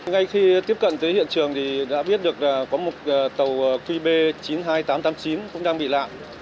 ngay khi tiếp cận tới hiện trường thì đã biết được có một tàu qb chín mươi hai nghìn tám trăm tám mươi chín cũng đang bị lạc